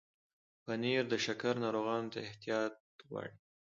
پنېر د شکر ناروغانو ته احتیاط غواړي.